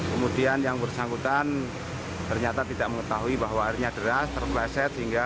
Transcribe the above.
kemudian yang bersangkutan ternyata tidak mengetahui bahwa airnya deras terpleset